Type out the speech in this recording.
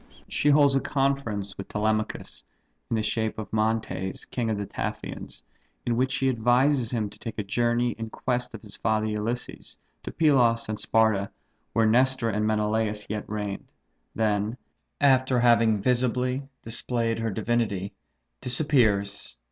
She holds a conference with Telemachus, in the shape of Mantes, king of Taphians; in which she advises him to take a journey in quest of his father Ulysses, to Pylos and Sparta, where Nestor and Menelaus yet reigned; then, after having visibly displayed her divinity, disappears.